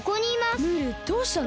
ムールどうしたの？